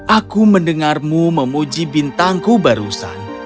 aku mendengarmu memuji bintangku barusan